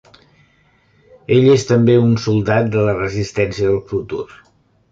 Ell és també un soldat de la Resistència del futur.